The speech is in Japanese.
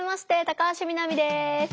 高橋みなみです。